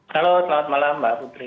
halo selamat malam mbak putri